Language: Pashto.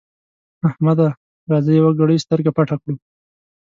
احمده! راځه يوه ګړۍ سترګه پټه کړو.